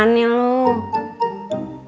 emang kita disini kagak ada orang apa